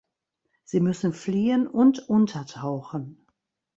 Sie müssen fliehen und untertauchen.